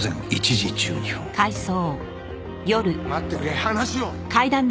待ってくれ話を。